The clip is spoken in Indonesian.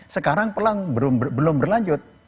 sekarang pelang belum berlanjut